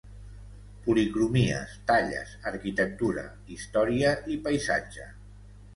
Policromies, talles, arquitectura, història i paisatge.